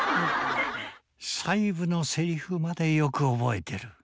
細部のセリフまでよく覚えてる。